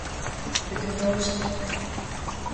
Bdızoşte.